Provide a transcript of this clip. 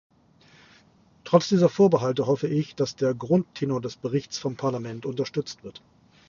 Trotz dieser Vorbehalte hoffe ich, dass der Grundtenor des Berichts vom Parlament unterstützt wird.